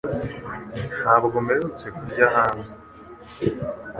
Ntabwo mperutse kurya hanze